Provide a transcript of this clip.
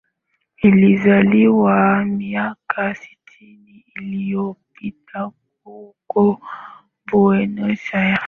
Alizaliwa miaka sitini iliyopita huko Buenos Aires